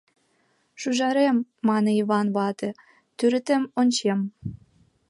— Шӱжарем, — мане Йыван вате, — тӱретым ончем.